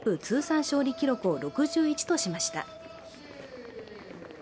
通算勝利記録を６１としました。